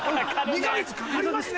２か月かかりますね。